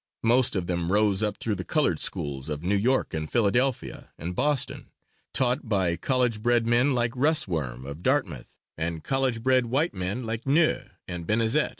Most of them rose up through the colored schools of New York and Philadelphia and Boston, taught by college bred men like Russworm, of Dartmouth, and college bred white men like Neau and Benezet.